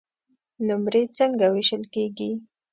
نمرې څنګه وېشل کیږي؟